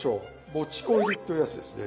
もち粉入りっていうやつですね。